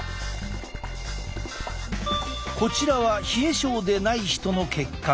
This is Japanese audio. こちらは冷え症でない人の血管。